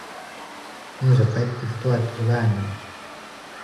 Nii saab vältida toetuse vähendamist.